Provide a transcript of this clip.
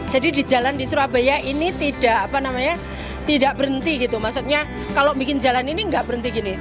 jadi di jalan di surabaya ini tidak berhenti gitu maksudnya kalau bikin jalan ini nggak berhenti gini